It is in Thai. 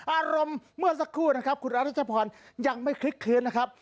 อารมณ์เมื่อสักครู่นะครับคุณอรัชพรยังไม่คลิกคืนนะครับ